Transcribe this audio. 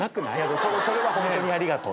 それはホントにありがとう。